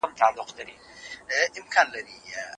دوی شاه شجاع ته وسلې ورکړې.